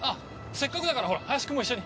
せっかくだから林君も一緒に。